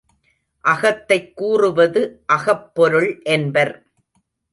அகத்தைக் கூறுவது அகப் பொருள் என்பர்.